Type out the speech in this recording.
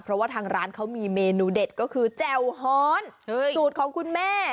เพราะว่าทางร้านเขามีเมนูเด็ดก็คือแจ่วฮอนสูตรของคุณแม่